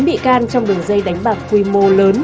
bốn bị can trong đường dây đánh bạc quy mô lớn